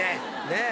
ねえ。